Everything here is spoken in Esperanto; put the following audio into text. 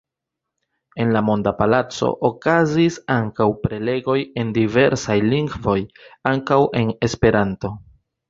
En la Monda Palaco okazis ankaŭ prelegoj en diversaj lingvoj, ankaŭ en Esperanto.